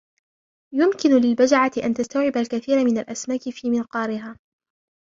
يمكن للبجعة أن تستوعب الكثير من الأسماك في منقارها.